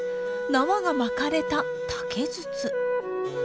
縄が巻かれた竹筒。